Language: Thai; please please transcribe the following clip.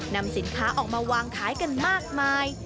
นำสินค้าออกมาวางขายกันมากมาย